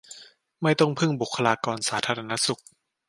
ไม่ต้องพึ่งบุคลากรสาธารณสุข